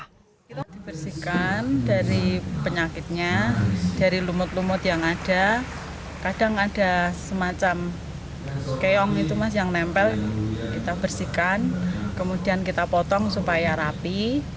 kita dibersihkan dari penyakitnya dari lumut lumut yang ada kadang ada semacam keong itu mas yang nempel kita bersihkan kemudian kita potong supaya rapi